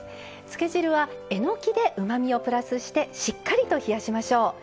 つけ汁はえのきでうまみをプラスしてしっかりと冷やしましょう。